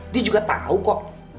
dia juga tau kok